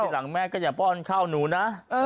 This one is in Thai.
หลังแม่ก็อย่าป้อนข้าวหนูนะ